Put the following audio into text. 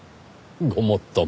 ごもっとも。